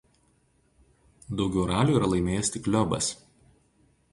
Daugiau ralių yra laimėjęs tik Loebas.